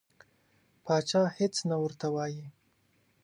پاچا هیڅ نه ورته وایي.